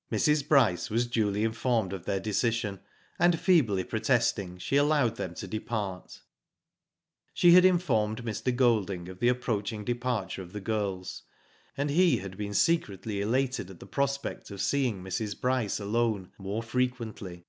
'* Mrs. Bryce was duly informed of their decision, and feebly protesting, she allowed them to depart. She had informed Mr. Golding of the approach ing departure of the girls, and he had been secretly elated at the prospect of seeing Mrs. Bryce alone, more frequently.